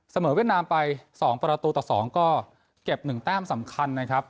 เวียดนามไป๒ประตูต่อ๒ก็เก็บ๑แต้มสำคัญนะครับ